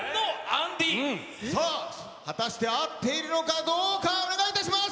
さあ、果たして合っているのかどうか、お願いします。